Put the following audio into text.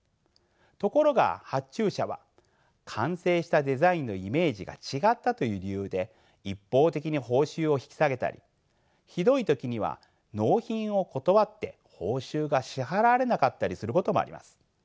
ところが発注者は完成したデザインのイメージが違ったという理由で一方的に報酬を引き下げたりひどい時には納品を断って報酬が支払われなかったりすることもあります。